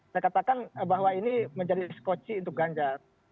saya katakan bahwa ini menjadi skoci untuk ganjar